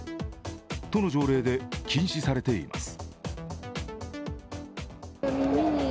都の条例で禁止されています。